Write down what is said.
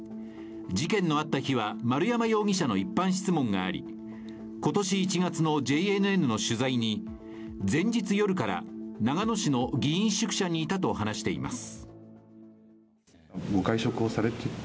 事件のあった日は丸山容疑者の一般質問があり、今年１月のＪＮＮの取材に前日夜から長野市の議員宿舎にいたと話しています。